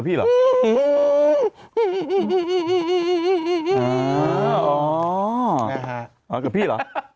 นะฮะ